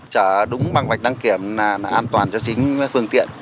trả đúng vạch đăng kiểm là an toàn cho chính phương tiện